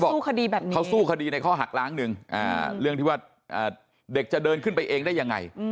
สู้คดีแบบนี้เขาสู้คดีในข้อหักล้างหนึ่งเรื่องที่ว่าเด็กจะเดินขึ้นไปเองได้ยังไง